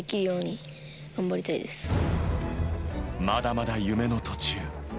まだまだ夢の途中。